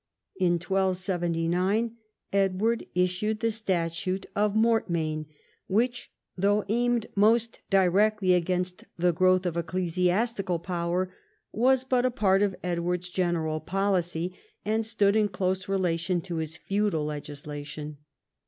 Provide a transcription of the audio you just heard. In 1279 Edward issued the Statute of Mortmain, which, though aimed most directly against the growth of ecclesiastical power, was but a part of Edward's general policy, and stood in close relation to his feudal legislation.